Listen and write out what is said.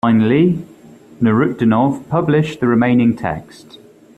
Finally, Nurutdinov published the remaining text.